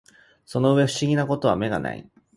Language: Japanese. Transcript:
その上不思議な事は眼がない